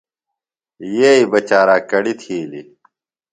یئی بہ چاراک کڑی تِھیلیۡ۔